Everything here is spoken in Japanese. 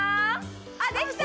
あできた！